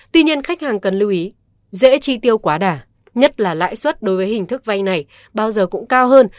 tuy nhiên khách hàng cần lưu ý dễ chi tiêu quá đà nhất là lãi suất đối với hình thức vay này bao giờ cũng cao hơn